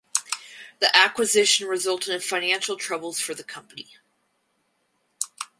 The acquisition resulted in financial troubles for the company.